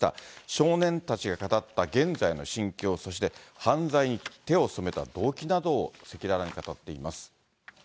少年たちが語った現在の心境、そして犯罪に手をそめた動機などを赤裸々に語っています。